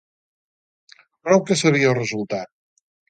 Prou que sabia el resultat.